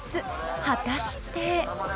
［果たして？］